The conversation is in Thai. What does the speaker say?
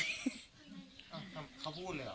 เขาพูดเลยหรอ